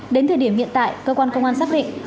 đến thời điểm hiện tại cơ quan công an xác định